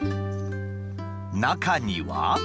中には。